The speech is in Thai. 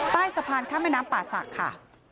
ใต้สะพานข้ามแม่น้ำป่าศักดิ์ค่ะ